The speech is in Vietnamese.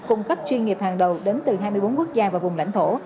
cung cấp chuyên nghiệp hàng đầu đến từ hai mươi bốn quốc gia và vùng lãnh thổ